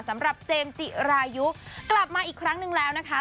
สำหรับเจมส์จิรายุกลับมาอีกครั้งหนึ่งแล้วนะคะ